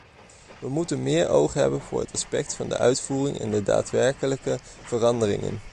We moeten meer oog hebben voor het aspect van de uitvoering en daadwerkelijke veranderingen.